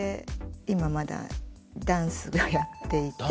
今まだダンスをやっていて。